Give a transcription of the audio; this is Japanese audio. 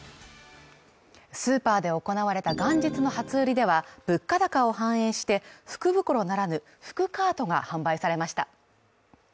スーパーで行われた元日の初売りでは、物価高を反映して、福袋ならぬ福カートが販売されました。